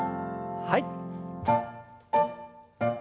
はい。